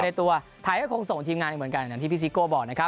ในตัวไทยก็คงส่งทีมงานเหมือนกันอย่างที่พี่ซิโก้บอกนะครับ